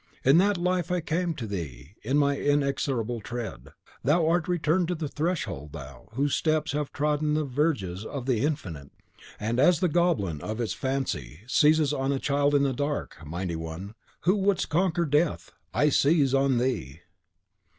In that life I come to thee with my inexorable tread. Thou art returned to the Threshold, thou, whose steps have trodden the verges of the Infinite! And as the goblin of its fantasy seizes on a child in the dark, mighty one, who wouldst conquer Death, I seize on thee!"